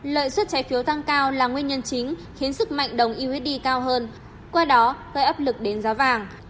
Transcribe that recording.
lợi suất trái phiếu tăng cao là nguyên nhân chính khiến sức mạnh đồng usd cao hơn qua đó gây áp lực đến giá vàng